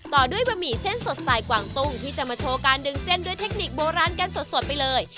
ต่อด้วยบะหมี่เส้นสดสไตล์กวางตุ้งที่จะมาโชว์การดึงเส้นด้วยเทคนิคโบราณกันสดไปเลย